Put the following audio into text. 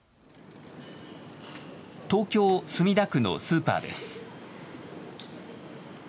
東京・墨田区のスーパーです。